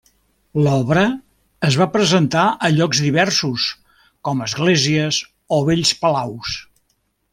L'obra es va presentar a llocs diversos com esglésies o vells palaus.